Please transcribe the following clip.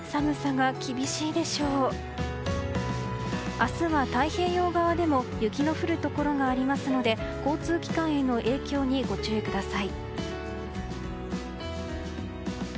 明日は太平洋側でも雪の降るところがありますので交通機関への影響にご注意ください。